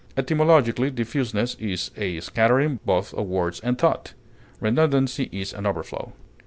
Etymologically, diffuseness is a scattering, both of words and thought; redundancy is an overflow.